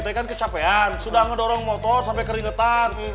tadi kan kecapean sudah ngedorong motor sampai keringetan